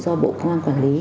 do bộ công an quản lý